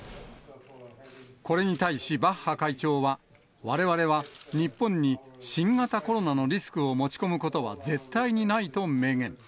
これに対し、バッハ会長は、われわれは日本に新型コロナのリスクを持ち込むことは絶対にないと明言。